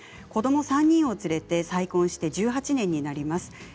子ども３人を連れて再婚して１８年になります。